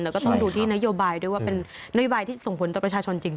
แล้วก็ต้องดูที่นโยบายด้วยว่าเป็นนโยบายที่ส่งผลต่อประชาชนจริง